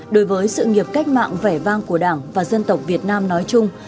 đối với sự nghiệp cách mạng vẻ vang của đảng và dân tộc việt nam nói chung